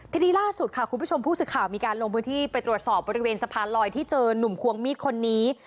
ทีนี้ล่าสุดค่ะคุณผู้ชมผู้สื่อข่าวมีการลงพื้นที่ไปตรวจสอบบริเวณสะพานลอยที่เจอนุ่มควงมีดคนนี้